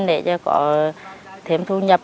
để cho cậu thêm thu nhập